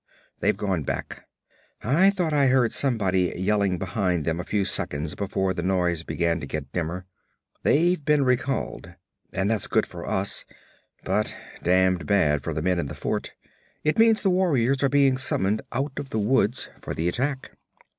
They've gone back. I thought I heard somebody yelling behind them a few seconds before the noise began to get dimmer. They've been recalled. And that's good for us, but damned bad for the men in the fort. It means the warriors are being summoned out of the woods for the attack.